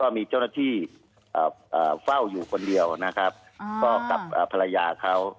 มีเจ้าหน้าที่เฝ้าอยู่คนเดียวนะครับก็กับภรรยาเขา